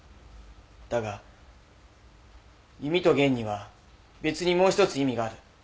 だが弓と弦には別にもう１つ意味がある。